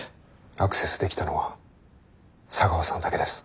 アクセスできたのは茶川さんだけです。